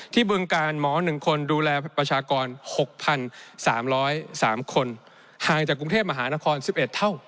บึงการหมอ๑คนดูแลประชากร๖๓๐๓คนห่างจากกรุงเทพมหานคร๑๑เท่า